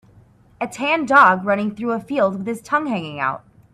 a tan dog running through a field with his tongue hanging out